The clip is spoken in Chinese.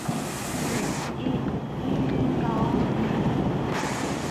梅涅劳斯定理是由古希腊数学家首先证明的。